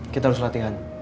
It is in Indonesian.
kita harus latihan